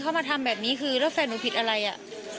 เขามาทำแบบนี้คือแล้วแฟนหนูผิดอะไรอ่ะ